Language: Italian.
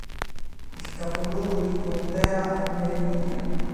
Il capoluogo di contea è Meridian.